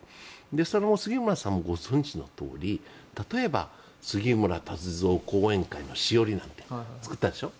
その杉村さんもご存じのとおり例えば杉村太蔵後援会のしおりなんて作ったでしょ。